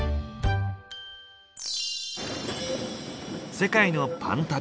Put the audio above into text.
世界のパン旅